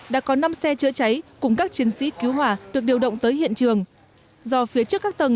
đã có năm xe chữa cháy cùng các chiến sĩ cứu hỏa được điều động tới hiện trường do phía trước các tầng